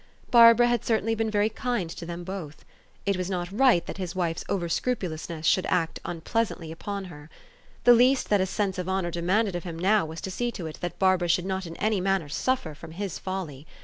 Barbara had certainly been very kind to them both. It was not right that his wife's over scrupulousness should re act unpleasantly upon her. The least that a sense of honor demanded of him now was to see to it that Barbara should not in any manner suffer from his folly.